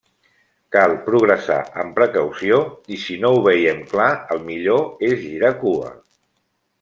Cal progressar amb precaució i, si no ho veiem clar, el millor és girar cua.